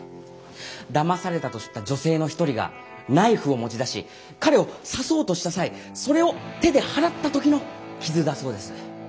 だまされたと知った女性の一人がナイフを持ち出し彼を刺そうとした際それを手で払った時の傷だそうです。